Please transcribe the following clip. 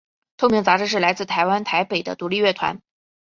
透明杂志是来自台湾台北的独立乐团。